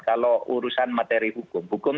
kalau urusan materi hukum hukum